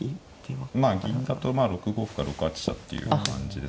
まあ銀だと６五歩か６八飛車っていう感じです。